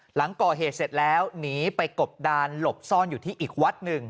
หลังก่อเหตุเสร็จแล้วหนีไปกบดานหลบซ่อนอยู่ที่อีกวัดหนึ่ง